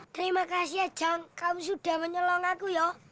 terima kasih ujang kamu sudah menyolong aku yo